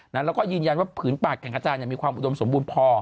แล้วก็ยืนยันว่าผืนป่าแก่งกระจานมีความอุดมสมบูรณ์พอ